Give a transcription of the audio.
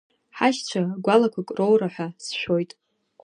Ҳашьцәа гәалақәак роура ҳәа сшәоит.